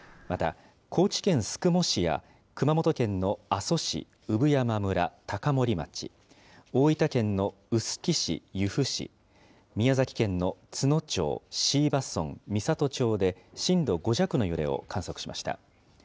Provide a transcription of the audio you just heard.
また、高知県宿毛市や熊本県の阿蘇市、産山村、高森町、大分県の臼杵市、由布市、宮崎県の都農町、椎葉村、美郷町で震度５弱の揺れを観測しました。